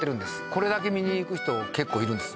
これだけ見に行く人結構いるんです